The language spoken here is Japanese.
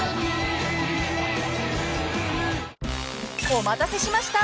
［お待たせしました！